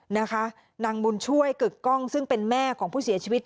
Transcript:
นางบุญช่วยกึกกล้องซึ่งเป็นแม่ของผู้เสียชีวิต